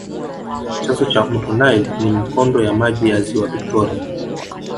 chanzo cha mto nile ni mikondo ya maji ya ziwa victoria